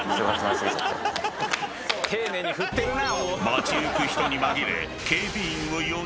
［街行く人に紛れ］